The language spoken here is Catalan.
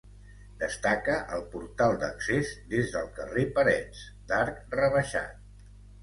Destaca el portal d'accés des del carrer Parets, d'arc rebaixat.